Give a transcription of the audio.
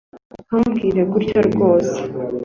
ntumbwire gutya rwose